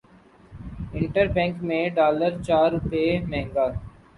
inter bank میں dollar چار روپے مہنگا